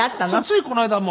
ついこの間も。